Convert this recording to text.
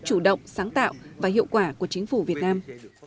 chủ động sáng tạo và hiệu quả của chính phủ việt nam